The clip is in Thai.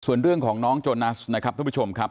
ส่วนเรื่องของน้องโจนัสนะครับท่านผู้ชมครับ